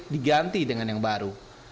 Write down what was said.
diganti dengan yang baru